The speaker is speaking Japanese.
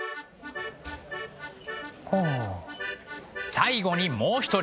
最後にもう一人。